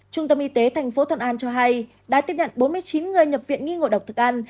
trung tâm y tế tp thuận an cho hay đã tiếp nhận bốn mươi chín người nhập viện nghi ngộ độc thực ăn